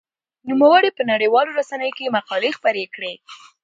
نوموړي په نړيوالو رسنيو کې مقالې خپرې کړې.